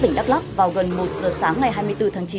tỉnh đắk lắc vào gần một giờ sáng ngày hai mươi bốn tháng chín